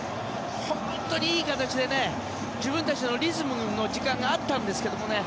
本当にいい形で自分たちのリズムの時間があったんですけれどもね。